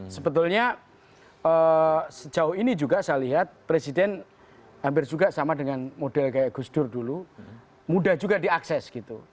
sebetulnya sejauh ini juga saya lihat presiden hampir juga sama dengan model kayak gus dur dulu mudah juga diakses gitu